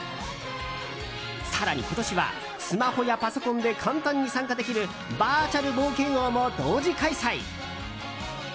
更に今年はスマホやパソコンで簡単に参加できるバーチャル冒険王も同時開催。